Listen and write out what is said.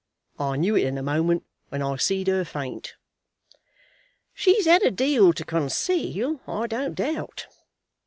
I knew it in a moment when I see'd her faint." "She's had a deal to conceal, I don't doubt.